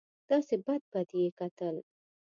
داسې بد بد به یې کتل.